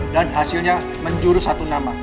yang merupakan menjurus satu nama